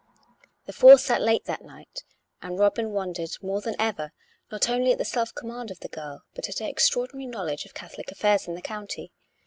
The four sat late that night; and Robin wondered more than ever, not only at the self command of the girl, but at her extraordinary knowledge of Catholic affairs in the county.